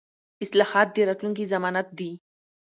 اصلاحات د راتلونکي ضمانت دي